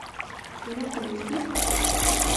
¿tú no comiste?